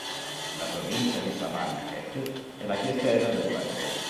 La provincia di Savannakhet è la più estesa del paese.